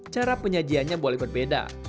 cara penyajiannya boleh berbeda